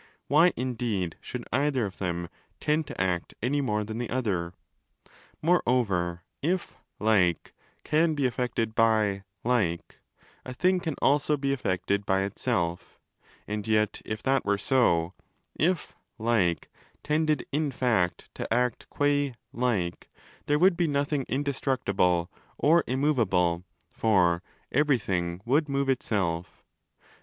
Why, indeed, should either of them tend to act any more than the other? Moreover, if ' like' can be affected by 'like', a thing can also be affected by itself: and yet if that were so—if ' like' tended in fact to act gua 'like'—there would be nothing indestruct ible or immovable, for everything would move itself.